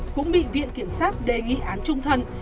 cũng bị viện kiểm sát đề nghị án trung thân